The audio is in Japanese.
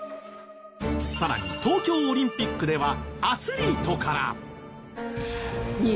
さらに東京オリンピックではアスリートから。